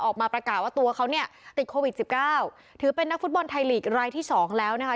ออกมาประกาศว่าตัวเขาเนี่ยติดโควิดสิบเก้าถือเป็นนักฟุตบอลไทยลีกรายที่สองแล้วนะคะ